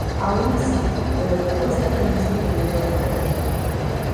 Aun así, el equipo esta feliz de tenerlo de vuelta